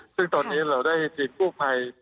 ซึ่งตอนนี้เราได้ทีมกู้ภัย